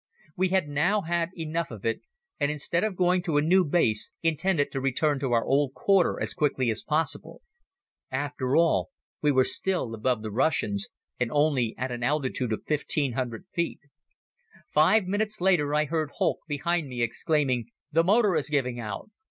We had now had enough of it and instead of going to a new base intended to return to our old quarter as quickly as possible. After all, we were still above the Russians and only at an altitude of 1500 feet. Five minutes later I heard Holck, behind me, exclaiming: "The motor is giving out."